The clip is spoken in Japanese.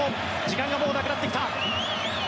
時間がもうなくなってきた。